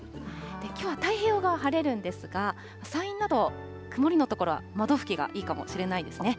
きょうは太平洋側、晴れるんですが、山陰など曇りの所は窓拭きがいいかもしれないですね。